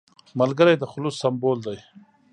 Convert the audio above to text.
ملګری د خلوص سمبول دی